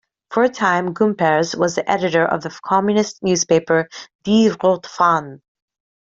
For a time, Gumperz was the editor of the Communist newspaper "Die Rote Fahne".